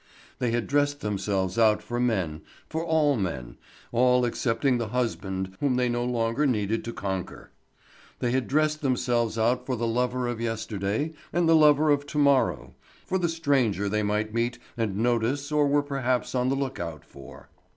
They had dressed themselves out for men—for all men—all excepting the husband whom they no longer needed to conquer. They had dressed themselves out for the lover of yesterday and the lover of to morrow, for the stranger they might meet and notice or were perhaps on the lookout for.